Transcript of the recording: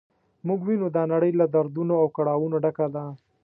موږ وینو دا نړۍ له دردونو او کړاوونو ډکه ده.